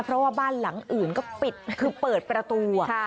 เพราะว่าบ้านหลังอื่นก็ปิดคือเปิดประตู